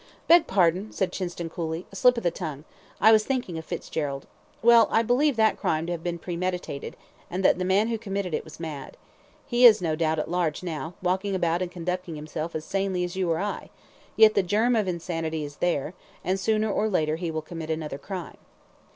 "Beg pardon," said Chinston, coolly, "a slip of the tongue; I was thinking of Fitzgerald. Well, I believe that crime to have been premeditated, and that the man who committed it was mad. He is, no doubt, at large now, walking about and conducting himself as sanely as you or I, yet the germ of insanity is there, and sooner or later he will commit another crime."